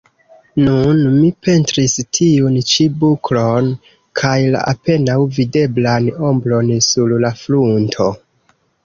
Nun mi pentris tiun ĉi buklon kaj la apenaŭ videblan ombron sur la frunto.